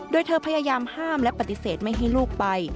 โดยเธอพยายามห้ามและปฏิเสธไม่ให้ลูกไป